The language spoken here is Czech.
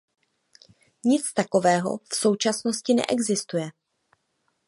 Nic takového v současnosti neexistuje.